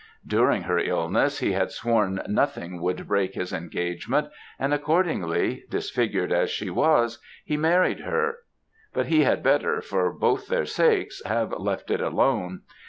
During her illness, he had sworn nothing should break his engagement, and accordingly, disfigured as she was, he married her; but he had better, for both their sakes, have left it alone.